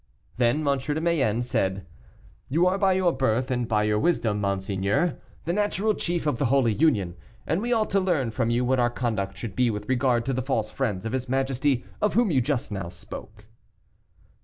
Then M. de Mayenne said: "You are by your birth, and by your wisdom, monseigneur, the natural chief of the Holy Union, and we ought to learn from you what our conduct should be with regard to the false friends of his majesty of whom you just now spoke."